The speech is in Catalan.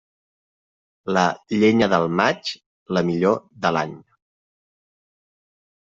La llenya del maig, la millor de l'any.